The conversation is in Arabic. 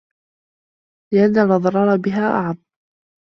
لِأَنَّ الْأَضْرَارَ بِهَا أَعَمُّ